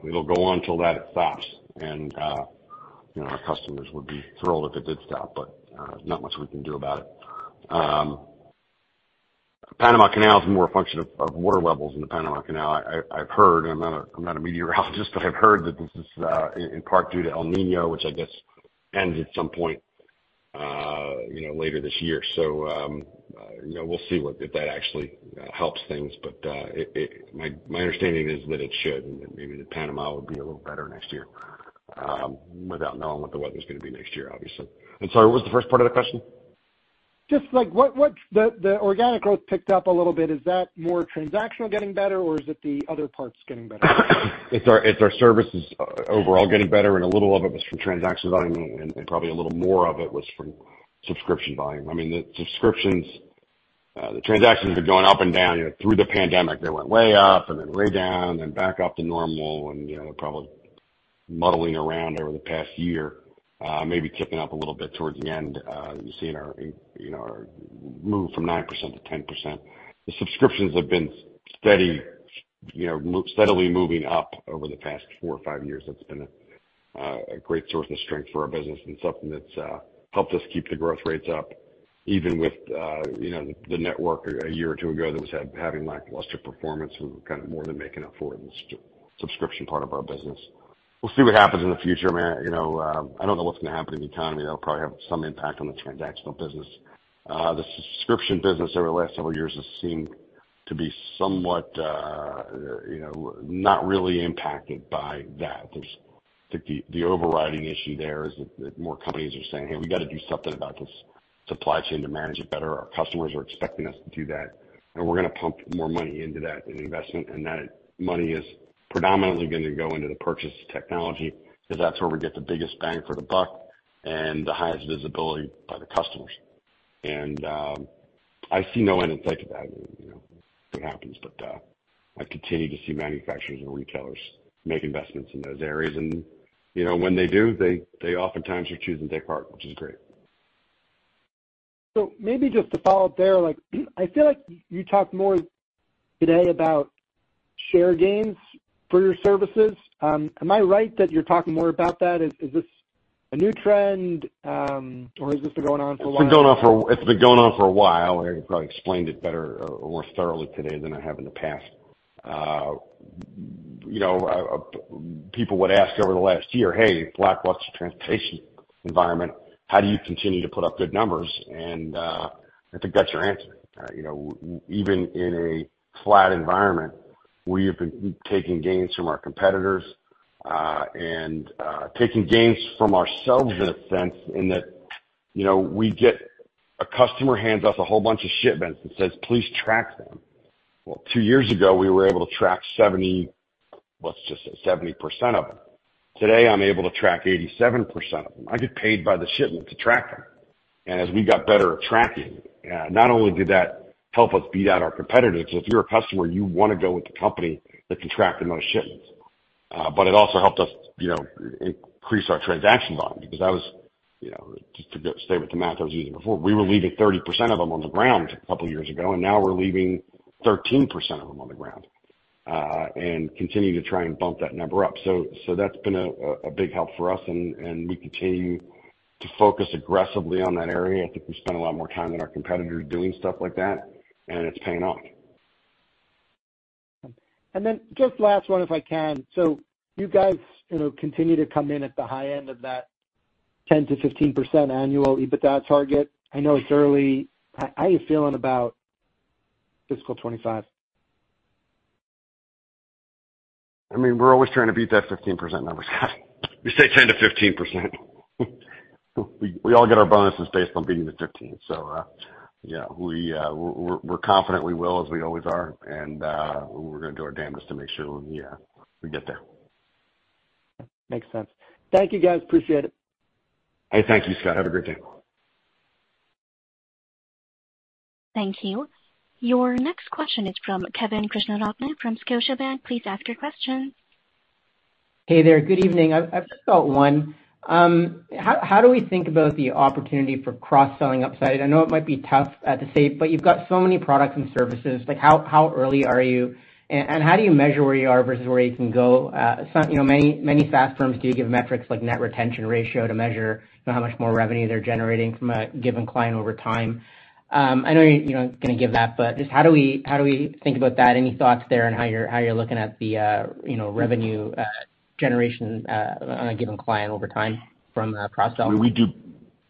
it'll go on till that stops. And our customers would be thrilled if it did stop, but not much we can do about it. Panama Canal is more a function of water levels in the Panama Canal, I've heard. And I'm not a meteorologist, but I've heard that this is in part due to El Niño, which I guess ends at some point later this year. So we'll see if that actually helps things. But my understanding is that it should, and that maybe that Panama would be a little better next year without knowing what the weather's going to be next year, obviously. I'm sorry. What was the first part of the question? Just the organic growth picked up a little bit. Is that more transactional getting better, or is it the other parts getting better? It's our services overall getting better, and a little of it was from transaction volume, and probably a little more of it was from subscription volume. I mean, the transactions have been going up and down. Through the pandemic, they went way up and then way down and then back up to normal, and they're probably muddling around over the past year, maybe ticking up a little bit towards the end. You're seeing our move from 9%-10%. The subscriptions have been steadily moving up over the past four or five years. That's been a great source of strength for our business and something that's helped us keep the growth rates up. Even with the network a year or two ago that was having lackluster performance, we were kind of more than making up for it in the subscription part of our business. We'll see what happens in the future, man. I don't know what's going to happen in the economy. That'll probably have some impact on the transactional business. The subscription business over the last several years has seemed to be somewhat not really impacted by that. I think the overriding issue there is that more companies are saying, "Hey, we got to do something about this supply chain to manage it better. Our customers are expecting us to do that, and we're going to pump more money into that investment." And that money is predominantly going to go into the purchase of technology because that's where we get the biggest bang for the buck and the highest visibility by the customers. And I see no end in sight to that if it happens. But I continue to see manufacturers and retailers make investments in those areas. When they do, they oftentimes are choosing Descartes, which is great. Maybe just to follow up there, I feel like you talked more today about share gains for your services. Am I right that you're talking more about that? Is this a new trend, or is this been going on for a while [CROSSTALK] It's been going on for a while. I could probably explain it better or more thoroughly today than I have in the past. People would ask over the last year, "Hey, Blackwell's transportation environment, how do you continue to put up good numbers?" I think that's your answer. Even in a flat environment, we have been taking gains from our competitors and taking gains from ourselves in a sense in that we get a customer hands us a whole bunch of shipments and says, "Please track them." Well, two years ago, we were able to track 70, let's just say 70%, of them. Today, I'm able to track 87% of them. I get paid by the shipment to track them. As we got better at tracking, not only did that help us beat out our competitors because if you're a customer, you want to go with the company that can track the most shipments. It also helped us increase our transaction volume because that was just to stay with the math I was using before. We were leaving 30% of them on the ground a couple of years ago, and now we're leaving 13% of them on the ground and continue to try and bump that number up. That's been a big help for us, and we continue to focus aggressively on that area. I think we spend a lot more time than our competitors doing stuff like that, and it's paying off. And then just last one, if I can. So you guys continue to come in at the high end of that 10%-15% annual EBITDA target. I know it's early. How are you feeling about fiscal 2025? I mean, we're always trying to beat that 15% number, Scott. We say 10%-15%. We all get our bonuses based on beating the 15. So yeah, we're confident we will as we always are, and we're going to do our damnedest to make sure we get there. Makes sense. Thank you, guys. Appreciate it. Hey, thank you, Scott. Have a great day. Thank you. Your next question is from Kevin Krishnaratne from Scotiabank. Please ask your question. Hey there. Good evening. I've just got one. How do we think about the opportunity for cross-selling upside? I know it might be tough at this stage, but you've got so many products and services. How early are you, and how do you measure where you are versus where you can go? Many SaaS firms do give metrics like net retention ratio to measure how much more revenue they're generating from a given client over time. I know you're not going to give that, but just how do we think about that? Any thoughts there on how you're looking at the revenue generation on a given client over time from cross-selling?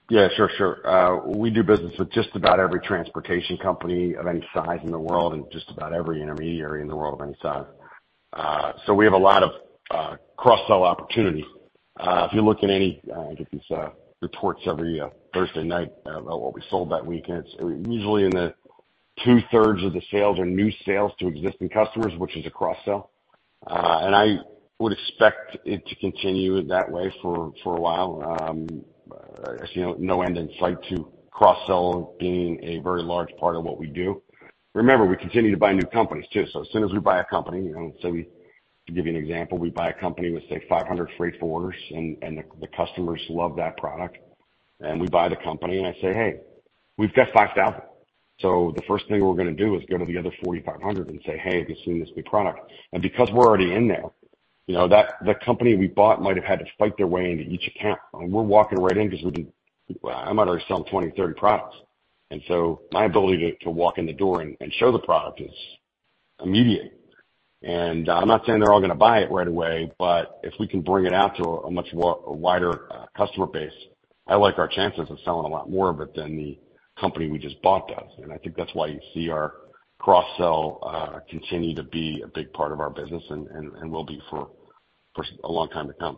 Yeah, sure, sure. We do business with just about every transportation company of any size in the world and just about every intermediary in the world of any size. So we have a lot of cross-sell opportunity. If you look, in any I get these reports every Thursday night about what we sold that week, and it's usually in the two-thirds of the sales are new sales to existing customers, which is a cross-sell. And I would expect it to continue that way for a while. I see no end in sight to cross-sell being a very large part of what we do. Remember, we continue to buy new companies too. So as soon as we buy a company, say, to give you an example, we buy a company with, say, 500 freight forwarders, and the customers love that product. We buy the company, and I say, "Hey, we've got 5,000." So the first thing we're going to do is go to the other 4,500 and say, "Hey, have you seen this new product?" And because we're already in there, the company we bought might have had to fight their way into each account. And we're walking right in because we might already sell them 20, 30 products. And so my ability to walk in the door and show the product is immediate. And I'm not saying they're all going to buy it right away, but if we can bring it out to a much wider customer base, I like our chances of selling a lot more of it than the company we just bought does. I think that's why you see our cross-sell continue to be a big part of our business and will be for a long time to come.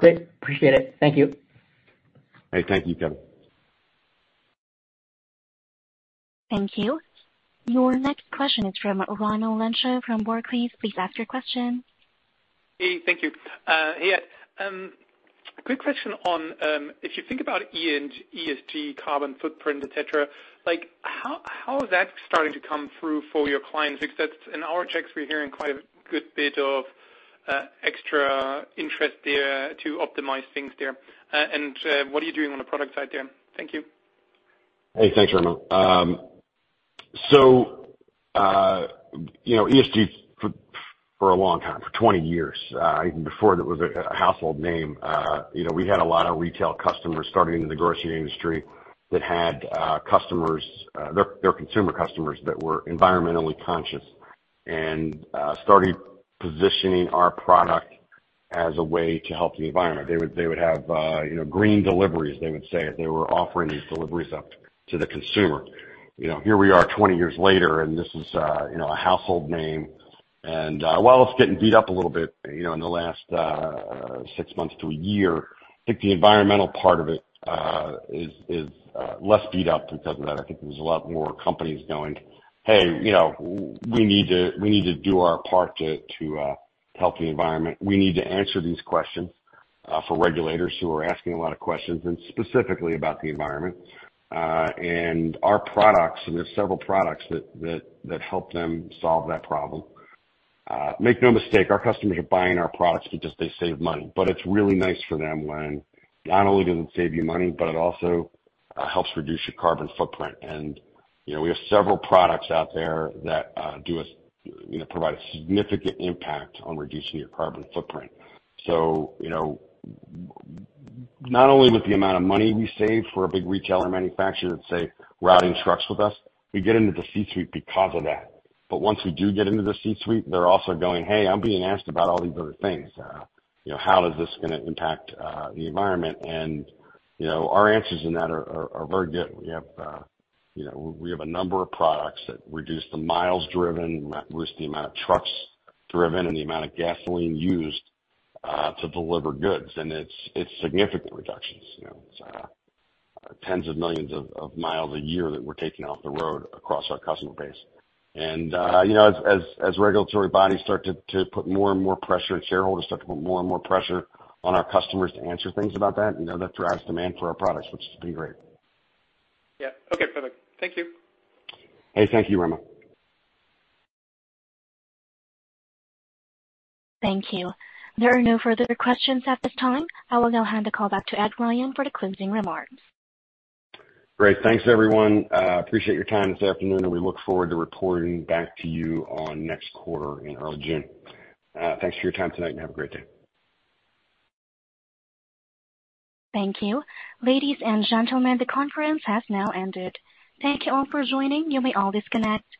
Great. Appreciate it. Thank you. Hey, thank you, Kevin. Thank you. Your next question is from Raimo Lenschow from Barclays. Please ask your question. Hey. Thank you. Hey, Ed. Quick question on if you think about ESG, carbon footprint, etc., how is that starting to come through for your clients? Because in our checks, we're hearing quite a good bit of extra interest there to optimize things there. What are you doing on the product side there? Thank you. Hey, thanks, Raimo. So ESG for a long time, for 20 years. Even before, it was a household name. We had a lot of retail customers starting in the grocery industry that had customers, their consumer customers that were environmentally conscious and started positioning our product as a way to help the environment. They would have green deliveries, they would say, as they were offering these deliveries up to the consumer. Here we are 20 years later, and this is a household name. And while it's getting beat up a little bit in the last six months to a year, I think the environmental part of it is less beat up because of that. I think there's a lot more companies going, "Hey, we need to do our part to help the environment. We need to answer these questions for regulators who are asking a lot of questions and specifically about the environment. Our products and there's several products that help them solve that problem. Make no mistake, our customers are buying our products because they save money. But it's really nice for them when not only does it save you money, but it also helps reduce your carbon footprint. We have several products out there that provide a significant impact on reducing your carbon footprint. So not only with the amount of money we save for a big retailer manufacturer that's, say, routing trucks with us, we get into the C-suite because of that. But once we do get into the C-suite, they're also going, "Hey, I'm being asked about all these other things. How is this going to impact the environment?" And our answers in that are very good. We have a number of products that reduce the miles driven, reduce the amount of trucks driven, and the amount of gasoline used to deliver goods. It's significant reductions. It's tens of millions of miles a year that we're taking off the road across our customer base. As regulatory bodies start to put more and more pressure and shareholders start to put more and more pressure on our customers to answer things about that, that drives demand for our products, which has been great. Yep. Okay, perfect. Thank you. Hey, thank you, Raimo. Thank you. There are no further questions at this time. I will now hand the call back to Ed Ryan for the closing remarks. Great. Thanks, everyone. Appreciate your time this afternoon, and we look forward to reporting back to you on next quarter in early June. Thanks for your time tonight, and have a great day. Thank you. Ladies and gentlemen, the conference has now ended. Thank you all for joining. You may all disconnect.